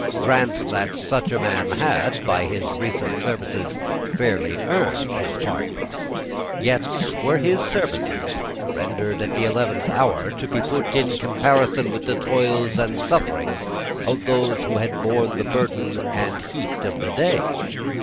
Grant that such a man had, by his recent services, fairly earned his pardon. Yet were his services, rendered at the eleventh hour, to be put in comparison with the toils and sufferings of those who had borne the burden and heat of the day?